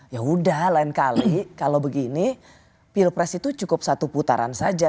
ya udah lain kali kalau begini pilpres itu cukup satu putaran saja